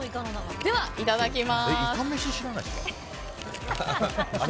では、いただきます。